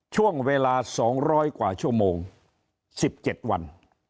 ช่วงเวลา๒๐๐กว่าชั่วโมง๑๗วัน